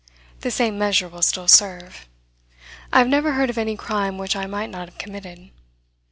The same measure will still serve: "I have never heard of any crime which I might not have committed."